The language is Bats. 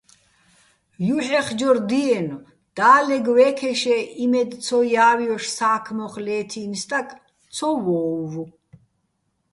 ჲუჰ̦ეხჯორ დიეჼო̆, და́ლეგ ვე́ქეშ-ე იმედ ცო ჲა́ვჲოშ სა́ქმოხ ლეთინი̆ სტაკ ცო ვოუ̆ვო̆.